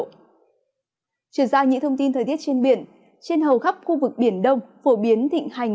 chuyển sang những thông tin thời tiết trên biển trên hầu khắp khu vực biển đông phổ biến thịnh hành